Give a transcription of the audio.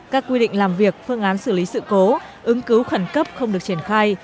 các quy định làm việc phương án xử lý sự cố ứng cứu khẩn cấp không được triển khai